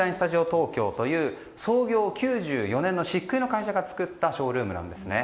東京という創業９４年の漆喰の会社が作ったショールームなんですね。